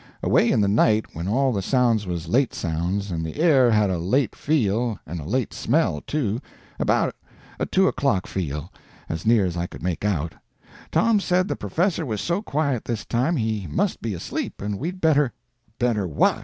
Away in the night, when all the sounds was late sounds, and the air had a late feel, and a late smell, too—about a two o'clock feel, as near as I could make out—Tom said the professor was so quiet this time he must be asleep, and we'd better— "Better what?"